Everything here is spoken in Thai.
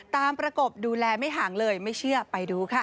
ประกบดูแลไม่ห่างเลยไม่เชื่อไปดูค่ะ